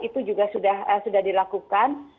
itu juga sudah dilakukan